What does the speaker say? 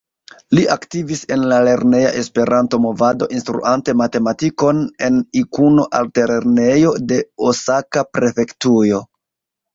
Li aktivis en la lerneja Esperanto-movado instruante matematikon en Ikuno-Altlernejo de Osaka-prefektujo.